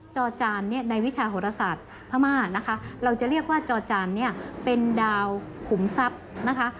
จอจานเนี่ยในวิชาโหรศาสตร์พม่านะคะเราจะเรียกว่าจอจานเนี่ยเป็นดาวขุมทรัพย์นะคะ